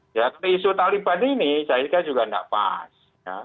ya ke isu taliban ini saya juga tidak pas